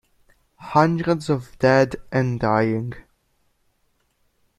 Hundreds of dead and dying.